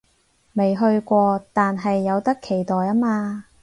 未去過，但係有得期待吖嘛